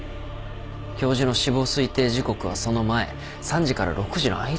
教授の死亡推定時刻はその前３時から６時の間だもん。